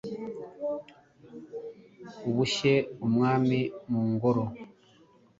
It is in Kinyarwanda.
uboshye umwami mu ngoro